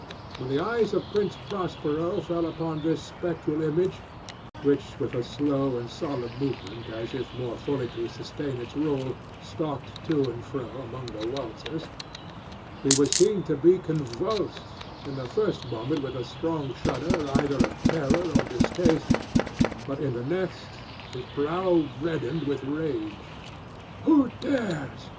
When the eyes of Prince Prospero fell upon this spectral image (which with a slow and solemn movement, as if more fully to sustain its role, stalked to and fro among the waltzers) he was seen to be convulsed, in the first moment with a strong shudder either of terror or distaste; but, in the next, his brow reddened with rage. "Who dares?"